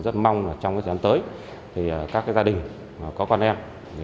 rất mong là trong thời gian tới các gia đình có con em